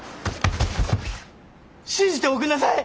信じておくんなさい！